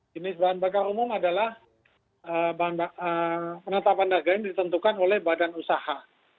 jenis bahan bakar umum adalah penata pandang yang ditentukan oleh badan usaha